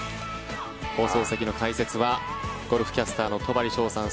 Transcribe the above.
放送席の解説はゴルフキャスターの戸張捷さん。